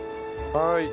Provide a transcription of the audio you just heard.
はい。